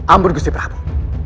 ampun gusti prabu